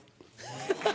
ハハハ！